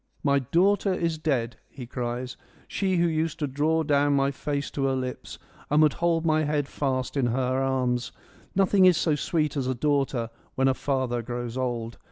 ' My daughter is dead ;' he cries, ' she who used to draw down my face to her lips and would hold my head fast in her arms. Nothing is so sweet as a daughter when a father grows old.